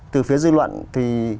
từ phía dư luận thì